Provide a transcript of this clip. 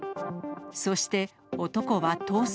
そして、男は逃走。